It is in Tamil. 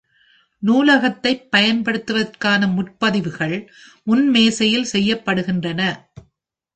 நூலகத்தைப் பயன்படுத்துவதற்கான முன்பதிவுகள் முன் மேசையில் செய்யப்படுகின்றன.